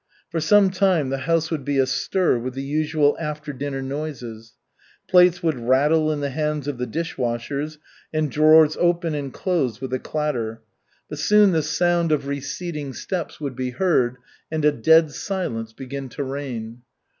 For some time the house would be astir with the usual after dinner noises. Plates would rattle in the hands of the dish washers, and drawers open and close with a clatter; but soon the sound of receding steps would be heard and a dead silence begin to reign.